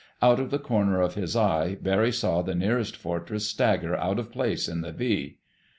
Out of the corner of his eye, Barry saw the nearest Fortress stagger out of place in the V.